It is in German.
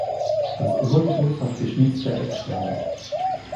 Das Obergeschoss hat geschnitzte Eckständer.